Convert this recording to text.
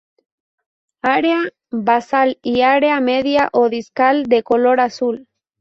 Área basal y área media o discal de color azul.